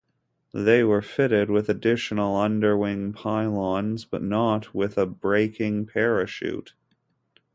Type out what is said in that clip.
They were fitted with additional underwing pylons, but not with a braking parachute.